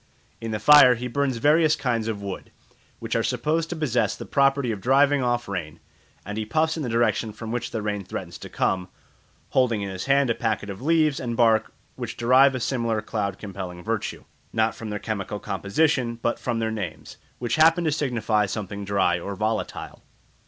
In the fire he burns various kinds of wood, which are supposed to possess the property of driving off rain; and he puffs in the direction from which the rain threatens to come, holding in his hand a packet of leaves and bark which derive a similar cloud compelling virtue, not from their chemical composition, but from their names, which happen to signify something dry or volatile.